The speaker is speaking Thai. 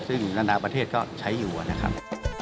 ซึ่งนานาประเทศก็ใช้อยู่นะครับ